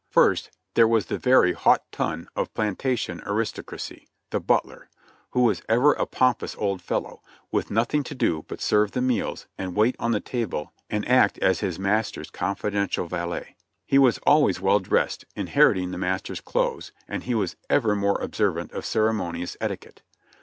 First, there was the very haut ton of plantation aristocracy —■ the butler, who was ever a pompous old fellow, with nothing to do but serve the meals and wait on the table and act as his master's confidential valet ; he was always well dressed, inheriting the master's clothes, and he was ever most observant of ceremonious etiquette.